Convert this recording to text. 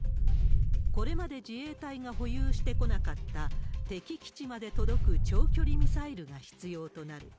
これまで自衛隊が保有してこなかった、敵基地まで届く長距離ミサイルが必要となる。